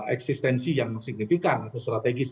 eksistensi yang signifikan atau strategis